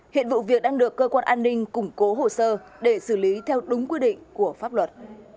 hiện vụ việc đang được cơ quan an ninh củng cố hồ sơ để xử lý theo đúng quy định của pháp luật